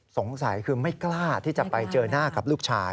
สงสัยคือไม่กล้าที่จะไปเจอหน้ากับลูกชาย